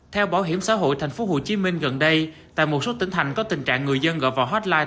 theo bảo hiểm xã hội tp hcm gần đây tại một số tỉnh thành có tình trạng người dân gọi vào hotline